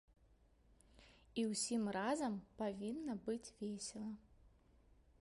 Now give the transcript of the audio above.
І ўсім разам павінна быць весела.